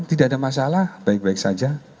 tidak ada masalah baik baik saja